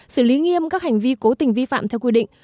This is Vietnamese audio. xử lý nghiêm các hành vi cố tình vi phạm theo quy định